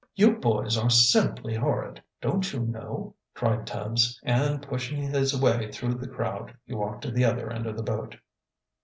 "You boys are simply horrid, don't you know!" cried Tubbs, and, pushing his way through the crowd, he walked to the other end of the boat.